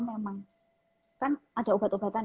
memang kan ada obat obatan